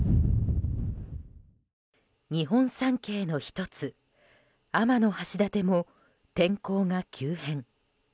日本三景の１つ・天橋立も天候が急変。